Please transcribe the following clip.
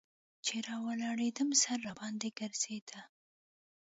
چې راولاړېدم سر راباندې ګرځېده.